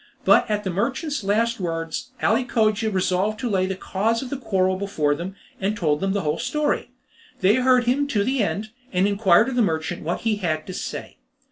But at the merchant's last words Ali Cogia resolved to lay the cause of the quarrel before them, and told them the whole story. They heard him to the end, and inquired of the merchant what he had to say.